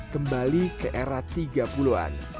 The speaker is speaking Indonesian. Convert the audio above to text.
kembali ke era tiga puluh an